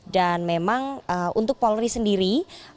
dan memang untuk polri sendiri